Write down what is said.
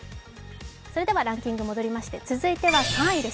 ランキングに戻りまして、続いては３位です。